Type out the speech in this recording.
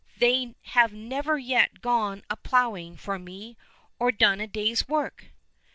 They have never yet gone a ploughing for me, or done a day's work.